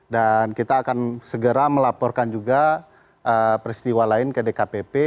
dan kita akan segera melaporkan juga peristiwa lain ke dkpp